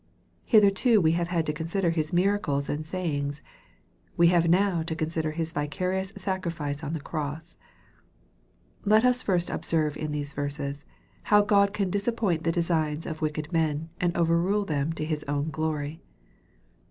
Hitherto we have had to consider His miracles and say ings. We have now to consider His vicarious sacrifice on the cross. Let us first observe in these verses, how God can disap point the designs of wicked men, and over rule them to Sis own glory.